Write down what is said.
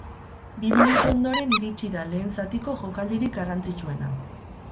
Bi minutu ondoren iritsi da lehen zatiko jokaldirik garrantzitsuena.